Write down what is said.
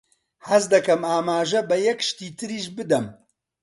حەز دەکەم ئاماژە بە یەک شتی تریش بدەم.